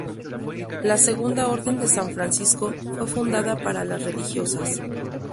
La Segunda Orden de San Francisco fue fundada para las religiosas.